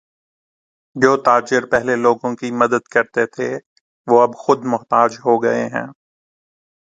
جو تاجر پہلے لوگوں کی مدد کرتے تھے وہ اب خود محتاج ہوگئے ہیں